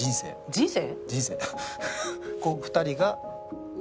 人生。